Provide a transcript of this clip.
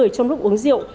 trong lúc uống rượu